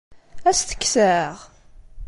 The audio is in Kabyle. Ad as-t-kkseɣ?